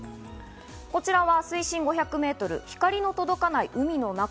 こちらは水深５００メートル、光の届かない海の中。